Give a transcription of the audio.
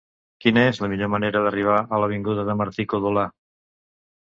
Quina és la millor manera d'arribar a l'avinguda de Martí-Codolar?